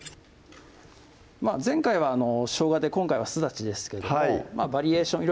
前回はしょうがで今回はすだちですけれどもバリエーション